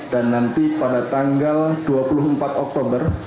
dan nanti pada tanggal dua puluh empat oktober